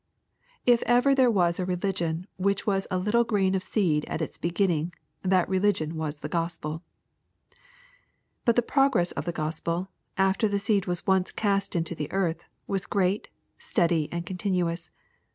If ever there was a religion which was a little grain of seed at its beginning, that re ligion was the GospeL But the progress of the Gospel, after the seed was once cast into the earth, was great, steady and continuous.